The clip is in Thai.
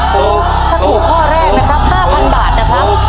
ถูกถ้าถูกข้อแรกนะครับ๕๐๐บาทนะครับ